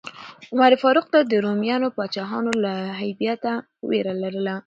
عمر فاروق ته د رومیانو پاچاهانو له هیبته ویره لرله.